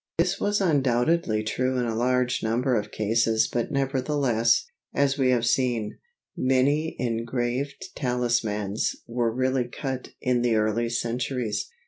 This was undoubtedly true in a large number of cases but nevertheless, as we have seen, many engraved talismans were really cut in the early centuries.